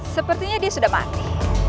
sepertinya dia sudah mati